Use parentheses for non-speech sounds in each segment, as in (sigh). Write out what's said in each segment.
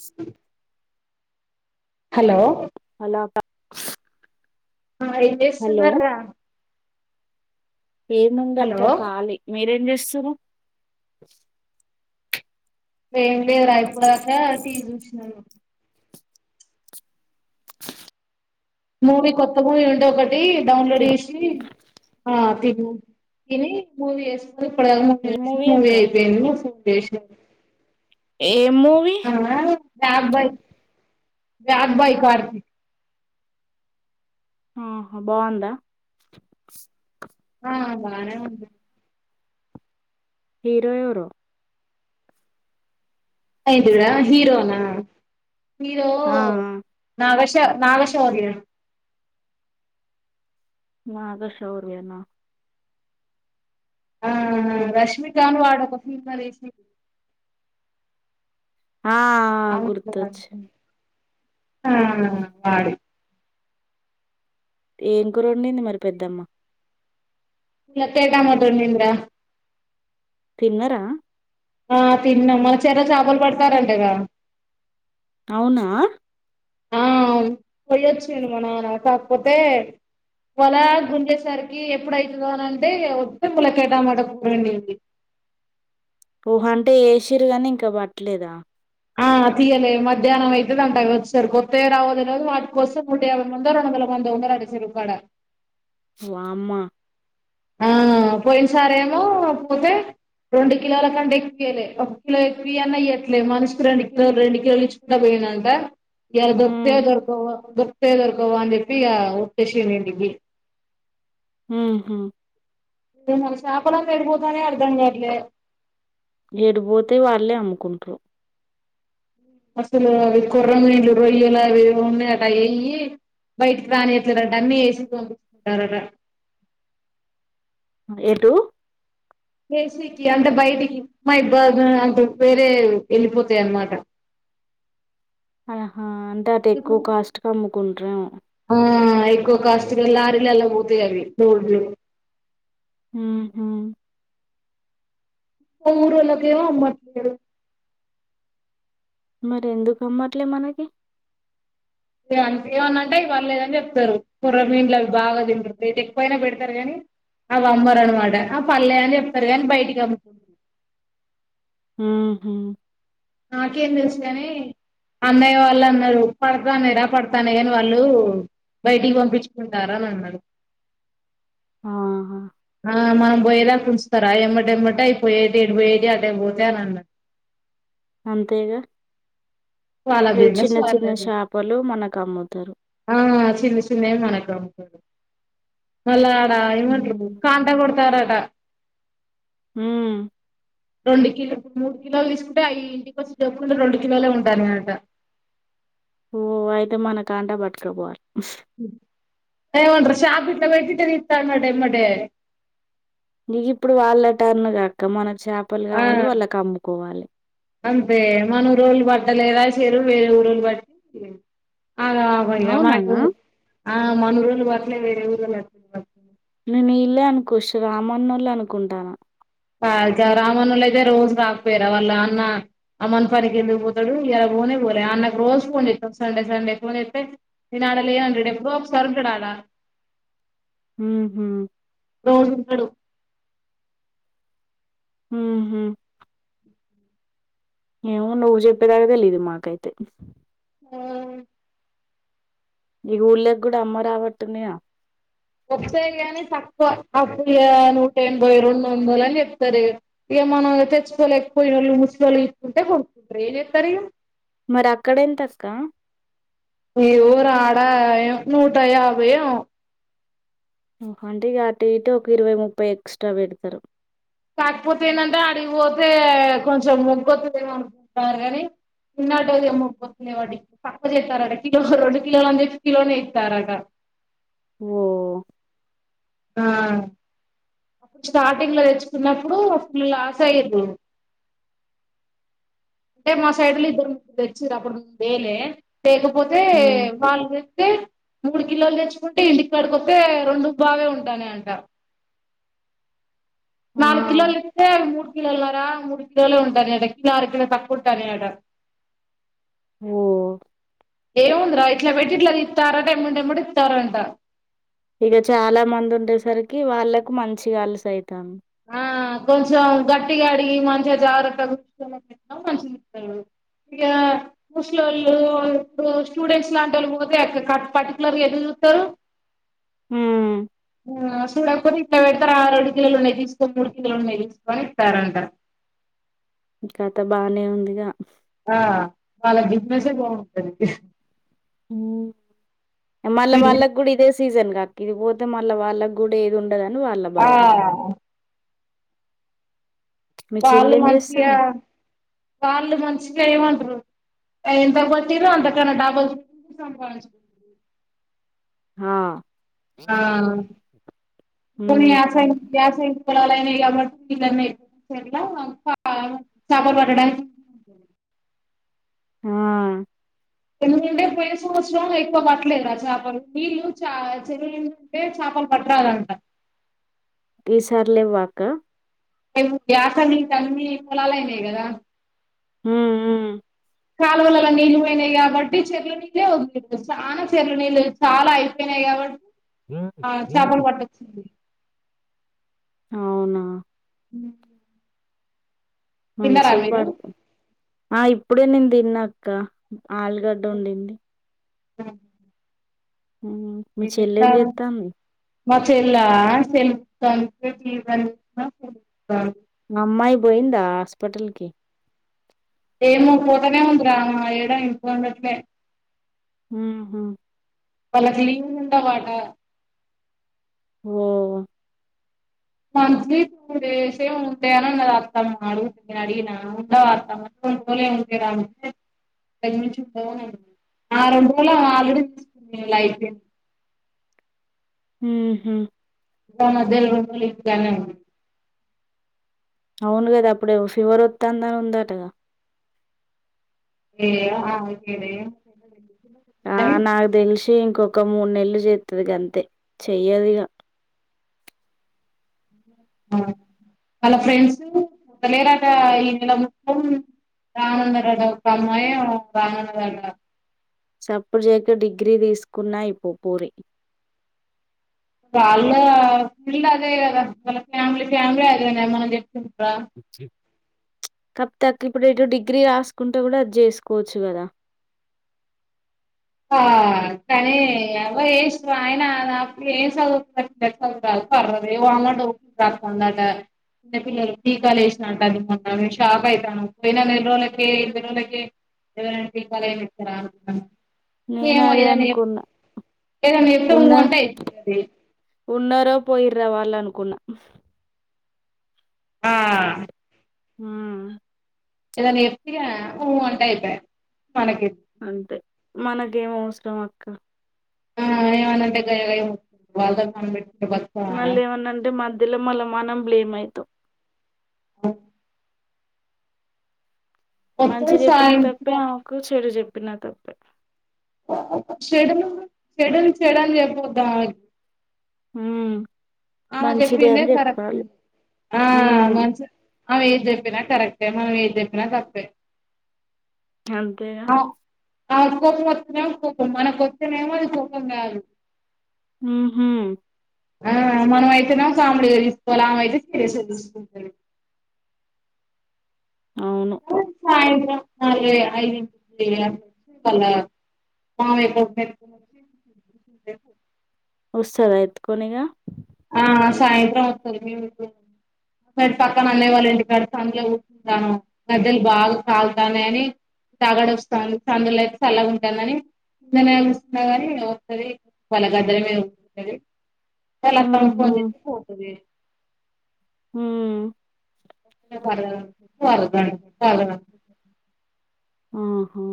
ఆ hello hello అక్క ఆ ఏం హలో చేస్తున్నార్ర ఎందుందక్క కాలి మీరేం స్సురు వెేం లేదురా ఇప్పుడా ఇంగా టివి చూసినరు మూవీ కొత్త మూవీ ఉంటే ఒకటి టీ డౌన్లోడ్ ఏ చేసి ఆ తి ఊ ఇని మూవీ వేస్త ఇప్పుడిప్పుడే కదా మూవీ ఏ వచ్చింది మూవీ అక్క అయిపోయింది. దేశ ఏం మూవి రాగభయి రాగభాయి కార్తి ఆహా బాగుందా ఆ బానే ఉంది హీరో ఎవరో ఐదురా హీరోనా మీరు ఆ ఆ, నాగ నాగశౌర్యా నాగశౌర్యా న ఆ ఉహు రష్మికాను వాడు పాఫిఫా రేసి ఆ ఆ గుర్తుచ్చ ఆ వాడి ఏం కూరు వొండింది మరి పెద్దమ్మ ఇలా తేగ మద నింద తిన్నరా ఆ తిన్నా మన చెర్లో చాపలు పడతారంటగా అవునా ఆ పోయ్యొచ్చిండు మా నాన కాకపోతే వలా గుండేసరికి ఎప్పుడయితదో అని అంటే వస్తే ములకే టామాట కూరోండింది. ఓహో అంటే ఏసిర్రు గాని ఇంకా పట్టలేదా ఆ తీయలే మధ్యాహ్నం అయితదంటా వచ్చేసరికి వత్తాయో రావో తెలవదు వాటి కోసం నూట యాభై మంది రెండు వందల మందో ఉన్నారట చెరువు కాడ వామ్మా ఆ పోయిన సారేమో పోతే రెండు కిలోల కంటే ఎక్కువ ఇయలే ఒక కిలో ఎక్కువ ఈ అన్నా ఈయ్యట్లేదు మనిషికి రెండు కిలోలు రెండు కిలోలు ఇచ్చుకుండా పోయినంట ఇయాల దొరుకుతాయో ఉమ్ దొరకవొ దొరకవో అని చెప్పి ఇగ (unintelligible) హ్మ్ హు చాపలన్ని ఎటుపోతున్నాయో అర్దం గావట్లే ఏడిపోతాయ్ వాళ్లేే అమ్ముకుంట్రు అసలు అవి కొర్రమీన్లు రొయ్యలా అవి ఏవో ఉన్నాయట వెయి బయటికి రానిట్లేదంటా అన్ని వేసి పంపిస్తున్నారట ఎటు కేసీకి అంటే బయటికి మా ఇబ్బా అంట వేరే వెళ్ళిపోతాయి అన్నమాట ఆహా అంటే అటు ఎక్కువ ఇప్పుడు కాస్ట్ కు ఆమ్ కుంట్రేమో ఆ ఎక్కువ కాస్ట్ గా లారీలల్లా పోతాయ్ అవి రోడ్లు హ్మ్ హు ఊరుళ్లాకేమో అమ్మట్లేదు మరి ఎందుకు అమ్మట్లే మనకి ఏమన్నంటే అవి పర్లేదని చెప్తారు కొర్రమీండ్లు అవి బాగా తింటరు రేటు ఎక్కువయినా పెడతారు కానీ అవి అమ్మరు అనమాట ఆ పల్లా అని చెప్తారు కాని బయటికి అమ్ము హ్మ్ హు నాకేం తెలుసు గాని అన్నయ్య వాళ్ళు అన్నారు పడతాన్నాయ్ రా పడతాన్నాయ్ గాని వాళ్ళు బయటికి పంపించుకుంటారా అని అన్నాడు ఆహా ఆ మనం పోయేదాక ఉంచుతారా ఎమ్మటెమ్మటె అయిపోయేది ఏటు పోయేటివి అటె పోతాయ్ అని అన్నా అంతేగా వాళ్ళ చిన్న బిజినెస్ చిన్న చిన్న వాళ్ళది చాపలు మనకు అమ్ముతారు ఆ చిన్న చిన్నయి మనకు అమ్ముతారు మల్లా లా ఏమంట్రు హ్మ్. కాంట కొడుతార ట హ్మ్ రెండు కి మూడు కిలోలు తీసుకుంటే అవి ఇంటికి వచ్చి చూసుకుంటే రెండు కిలోలే ఉంటాయి దనాట ఓ ఓ అయితే మనకుంట పట్కుపోయే ఏమంట్ర షాపిట్లా పెట్టిఇట్ల తీస్తన్నాడు య్యమ్మటే ఇది ఇప్పుడు వాళ్ళ టర్న్ కదా అక్క మన చేపలు ఆ కావాలి వాళ్ళకు అమ్ముకోవాలి అంతే మన ఊరోళ్ళు పట్టలేదా చేరువు వేర ఊరోళ్ళు బట్టి అగామాగ మైతుంది అవునా? మనకు ఆ మన ఊరోళ్ళు పట్టలె వేరే ఊరోళ్ళు వచ్చి పట్ నేను ఇల్లే అనుకోచ్చు రామన్నళ్ళు అనుకుంటున్న కాదు కా రామన్నుల్లు అయితే రోజు రాకపోయిరా వాళ్ళ అన్న అమ్మన్ పనికి ఎందుకు పోతాడు ఇలా పోనే పోలే అన్నకు రోజు ఫోన్ చేస్తాడు సండే సండే ఫోన్ చేస్తే నేనా ఆడ లేనంటడు ఎప్పుడో ఒకసారి ఉంటాడాడా ఊహు రోజు ఉంటాడు ఊహు ఏమో నువ్వు చెప్పేదాకా తెలీదు మాకైతే ఆ ఇగ ఊల్లేకి కూడా అమ్మ రావట్టున్నియా వస్తాయి కానీ తక్కువ అకు నూట ఎనభై రెండు వందలు అని చెప్తారు ఇక ఇగ మనం తెచ్చుకోలేక పోయినళ్ళు ముసలొల్లు ఇసుకుంటే కొనుకుంటారు ఏం చెత్తారు ఇగ మరక్కడెంతక్క? ఈ వోరు ఆడ ఆయ నూట యాభైయో ఓహో అంటే ఇక అటు ఇటు ఒక ఇరవై ముప్పై ఎక్స్ట్రా పెడతారు. కాకపోతే ఏంటంటే వాడికి పోతే కొంచెం మొగ్గుొతుందేమో అనుకుంటున్నారు కాని పిన్నటి మొగ్పోతుంది వాడికి పక్క చేస్తారట కిలో రెండు కిలోలని చెప్పి కిలోనే ఇస్తారట ఓ ఆ స్టార్టింగ్ లో తెచ్చుకున్నప్పుడు అప్పులు లాస్ అయ్యద్దు అంటే మా సైడ్ లో ఇద్దరు ముగ్గరు తెచ్చి అమ్మడు లేద్లే లేకపోతే హ్మ్ వాళ్ళు చెప్తే మూడు కిలోలు తెచ్చుకుంటే ఇంటికాడికొత్తే రెండుం పావే ఉంటానే అంటా ఆ నాలు కిలోలు తేస్తే మూడు కిలోల ద్వారమూడు ఉంటనేట కిలో అర కిలో తక్కువ ఉట్టనట ఓ ఏముంది రా ఇట్లా పెట్టి ఇట్ల దిత్తారాట ఏంబటెంబటే ఇత్తారట ఇక చాలా మంది ఉండేసరికి వాళ్ళకు మంచిగా అలుసు అయితు తం ఆ కొంచెం గట్టిగా అడిగి మంచిగా జాగ్రత్త కూర్చో మంచిగా ఇస్తడు ఇక ముసి లొల్లు స్టూడెంట్స్ లాంటి వాళ్ళు పోతే అక్క పర్టికులర్ గా ఎట్ల చూత్తరు హ్మ్. ఆ చూడకపోతే ఇట్లా పెడతారు ఆ రెండు కిలోలు ఉన్నాయి. మూడు కిలోలున్నాయి వేసుకొని ఇస్తారంటా ఈ కత బానే ఉందిగా ఆ వాళ్ళ బిజినెసే బాగుంటాది. ఓ మళ్ళ మీరు వాళ్ళకు కూడా ఇదే సీజన్ కద ఇది పోతే మళ్ళ వాళ్ళకూ గుడా ఏద్ ఉండద్ ఉండదని వాల్ల ఆ బాద మీ వాళ్ళు చెల్లెం మంచిగా చేస్తాంది వాళ్ళు మంచిగా ఏమంటారు ఎంత గొట్టిర్రు అంత కన డబుల్ చూపిస్తాం వాళ్లకి హా ఆ పోనీ హ్మ్ యా సైడ్ యా సైడ్ పోలాలయి నాయి కాబట్టి (unintelligible) ఇట్లా చాపల్ పట్టడానికి ఆ ఎందుకంటే పోయినా సంవత్సరం ఎక్కువ పట్టలేదు రా చాపలు నీళ్ళు చే చెరువు నిండితే చాపలు పట్టాలంట ఈ సారి లేవ అక్క వ్యాసన్ని తన్వి కుొలాలు అయినాయి కదా హూ హూ కాాలవలలా నీళ్ళు పోయినాయి కాబట్టి చెరలు నీళ్ళేలే చాలా చెరలు నీళ్ళు చాలా అయిపోయినాయి కాబట్టి ఆ చాపల్ పట్టొచ్చింది అవునా తిన్నారా మంచి మీరు పడతం ఆ ఇప్పుడే నేను తిన్నాక్క ఆలుగడ్డ వండింది అ హా మీ చెల్లె ఎం జెత్తందీ మా చెల్లె ఆ (inaudible) తెలుతా తెలుస్తా ఆ అమ్మాయి పోయిందా హాస్పిటల్ కి ఏమో ఫోతనే ఉందిరా ఏడ ఇంట్లో ఉండట్లే ఉహూ వాళ్ళకి లీవ్ లు ఉండవ్ అట ఓ మంత్లీ టూ డేస్ ఏమో ఉంటాయని అన్నది ఆ అక్క అడిగితే (inaudible) హూ హు గ మధ్యల రెండు రోజులు ఇంటికాడనే ఉన్న అవును కదా అప్పుడో ఫీవర్ వత్తంది అని ఉందటగా ఏమో ఆమెకేలే ఆ నాకు తెల్సి ఇంకొ ఒక మూడు నెలలు చెత్తది గంతే చెయ్యదు ఇగ వాళ్ళ ఫ్రెండ్స్ పోతలేరాట ఈ నెల మొత్తం రామన్నారట ఒక అమ్మాయి ఏమో రామన్నారట చప్పుడుచేయక డిగ్రీ తీసుకున్నా అయిపోవు పూరి వాళ్ళ ఫీల్డ్ అదే కదా వాళ్ళ ఫ్యామిలీ ఫ్యామిలీ అదే నే మనం చెప్తే కప్పు తాకు ఇప్పుడు ఎటు డిగ్రీ రాసుకుంటు కూడా అది చేసుకోవచ్చు కదా ఆ కానీ అవో ఆయన నాకు ఏం చదువుతదువురా పర్్రదు వా రాందట చిన్న పిల్లలు టీకాలు వేసినడట అది మొన్ననే షాక్ అయితాను పోయిన రెండు రోజులకే ఇరవై రోజులకే ఎవరైనా టీకాలు ఏపిస్తారా అనీ నేను మేము అదే ఏదైనా చెప్ అనుకున్నా. ఏదనా చెప్తే ఊ ఉన్న అంటే అయిపోతాది ఉన్నారో పోయి్రా వాళ్ళు అనుకున్నా ఆ హూ ఏదని ఎపత్తిగా ఊ అంటే అయిప్యా అంతే మనకేం అవసరం అక్క హ ఏమన్నా అంటే గయ్యగయ్య మోతుకుంటది వాళ్ళతో మనం బెట్ మళ్ళ ఏమన్నా అంటే మ ఇల్ల మళ్ళ మనం బ్లేమ్ అయితం ఓ మంచి వత్తది చెప్పిన తప్పే సాయంత్రం అవకు చెడు చెప్పి నా తప్పే షెడల్ షెడల్ షెడల్ చెప్పొద్దూ ఆమెకి హ ఆమె చెప్పిందే కరెక్ట్ ఆ ఉమ్ మంచి ఆమె ఏది చెప్పినా కరెక్ట్ అంటే మనం ఏది చెప్పినా తప్పే అంతేనా ఆ కోపం వస్తున్నామో కోపం మనకు వచ్చేనేేమో అది కోపం కాదు హ హ ఆ మనం అయితేనా కామెడీ తీసుకోవాల ఆమె అయితే సీరియస్సుంట అవును ఐదు వాళ్ళ మావ హుస్తసార అయిత్కోనిగా ఆ సాయంత్రం వస్తుంది మేము పక్కన అన్న వాళ్ళ ఇంటికాడ చందులో కూఊంటాను గద్దలు బాగా కాల్తానే అని తాగడ వస్తాంది చందులో అయితే చల్లగా ఉంటాందనిందనేస్తున్నా కాని వస్తుంది వాళ్ళ గద్దల మీదంటంది తెలాక్క ఫ ఉహు పోంది హ ాల ఆహా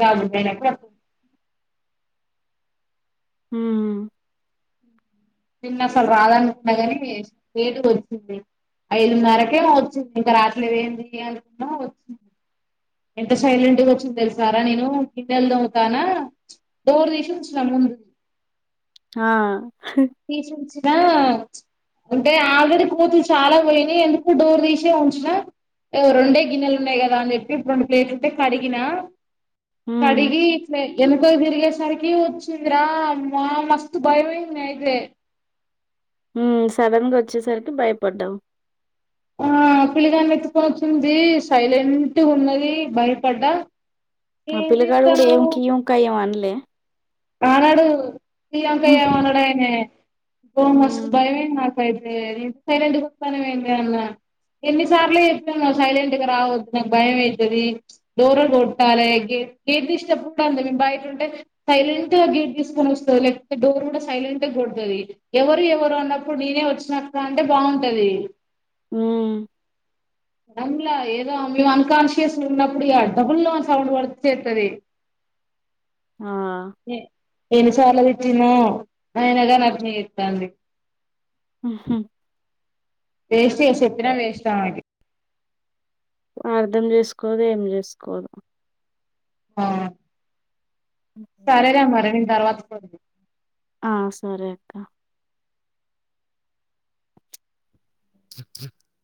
రాజుందనా కూడాకు హ నిన్న అసలు రాదనుకున్నా కాని వేటు వచ్చింది ఐదున్నరకే వచ్చింది ఇంకా రాట్లో ఏం చేయాలనుకున్నా వచ్చింది ఎంత సైలెంట్గా వచ్చింద తెలుసారా నేను కిందె వెళ్దవుతానా డోర్ తీసికుచ్చిన ముందు ఆ తీషచ్చ అంటే ఆలరి కోతులు చాలా పోయినాయి ఎందుకు డోర్ తీసే ఉంచిన రెండే గిన్నెలు ఉన్నాయి కదా అని చెప్పి ఇప్పుడు రెండు ప్లేట్లు ఉంటే కడిగినా ఉమ్ కడిగి ఎనకయి దిరిగ సరికి వచ్చిందిరా మా మస్తు భయమయి రే సడన్ గా వచ్చేసరికి భయపడ్డాం ఆ పిలిగాన్ని ఎత్తుకొనిచ్చంది సైలెంట్ ఉన్నది భయపడ్డా ఆ ఏం పిల్లగాడు కూడా ఏమి చేత్తన్నావు కింకాయ ఏం అనలే ఆనాడు ప్రియాంక ఉహ్, అనడ గ మస్త ఉమ్ బయ ైతేే సైలెంట్గా వస్తాన ఏంది అన్నా ఎన్నిసార్లు చెప్పాను సైలెంట్ గా రావచ్చు నాకు భయం అవుతుది దూరం కొట్టాలి గర్తి ఇష్టప్పుంది మ బయట ఉంటే సైలెంట్గా గేట్ తీసుకొని వస్తుంది లేకపోతే డోర్ కూడా సైలెంట్ కొడుతుంది ఎవరు ఎవరు అన్నప్పుడు నేనే వచ్చినట్ అంటే బాగుంటది ఆ అమ్లా ఏదో మేము అన్కాన్షియస్ ఉన్నప్పుడు ఈ అడబల్లో సౌండ్ పడిచతుంది ఆ ఏను సార్లది నను అయనగాని అభినయిస్తాండి ఆహ వేస్ట్ చెప్పిన వేస్ట్ అర్ధం చేసుకోదు ఏం చేసుకోదు ఆ సరేలే మరి నేను తర్వాత చ ఆ సరే అక్క చె